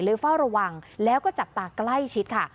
เฝ้าระวังแล้วก็จับตาใกล้ชิดค่ะ